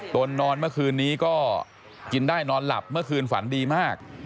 นอนเมื่อคืนนี้ก็กินได้นอนหลับเมื่อคืนฝันดีมาก